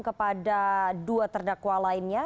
kepada dua terdakwa lainnya